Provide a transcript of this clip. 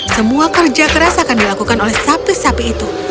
semua kerja keras akan dilakukan oleh sapi sapi itu